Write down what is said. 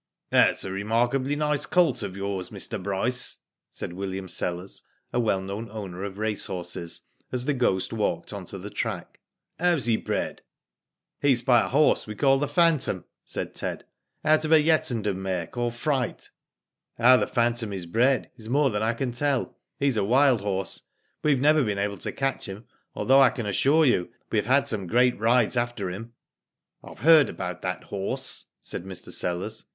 "That's a remarkably nice colt of yours, Mr. Bryce,'^ said William Sellers, a well known owner of racehorses, as The Ghost walked on to the track, '' How's he bred ?" He's by a horse we call the phantom," said Ted, "out of a Yattendon mare called Fright. How the phantom is bred, is more than I can tell. He's a wild horse. We've never been able to catch him, although I can assure you we have had some great rides after him." " I've heard about that horse," said Mr. Sellers.